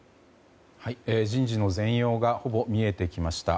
人事の全容がほぼ見えてきました。